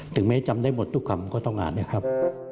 แม้จำได้หมดทุกคำก็ต้องอ่านนะครับ